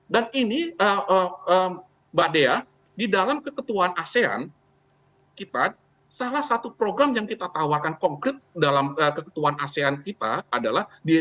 dan ini mbak dea di dalam keketuan asean salah satu program yang kita tawarkan konkret dalam keketuan asean kita adalah